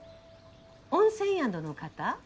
温泉宿の方？